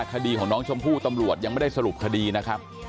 คดีของน้องชมพู่ตำรวจยังไม่ได้สรุปคดีนะครับ